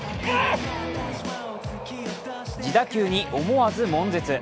自打球に思わず、もん絶。